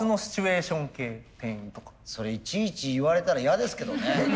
それいちいち言われたら嫌ですけどね。